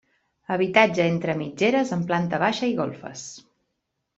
Habitatge entre mitgeres amb planta baixa i golfes.